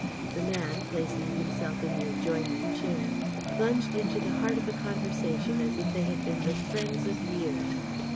The man, placing himself in the adjoining chair, plunged into the heart of a conversation as if they had been the friends of years.